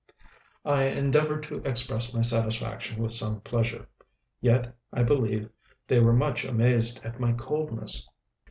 I endeavored to express my satisfaction with some pleasure; yet I believe they were much amazed at my coldness.